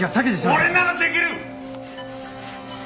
俺ならできる！